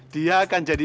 dia akan jadi